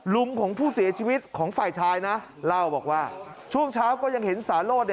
ลุงของผู้เสียชีวิตของฝ่ายชายนะเล่าบอกว่าช่วงเช้าก็ยังเห็นสาโรธ